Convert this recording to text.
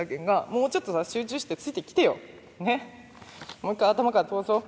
もう一回頭から通そう。